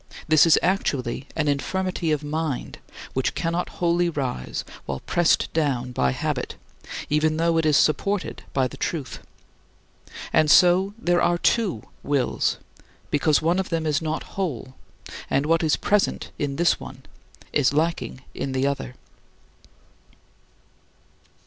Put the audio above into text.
This is actually an infirmity of mind, which cannot wholly rise, while pressed down by habit, even though it is supported by the truth. And so there are two wills, because one of them is not whole, and what is present in this one is lacking in the other.